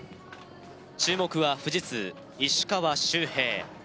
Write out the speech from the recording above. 注目は富士通石川周平